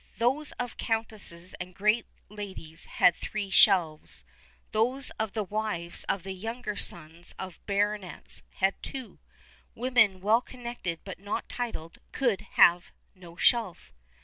Those of countesses and great ladies had three shelves; those of the wives of the younger sons of baronets had two; women well connected but not titled could have no shelf.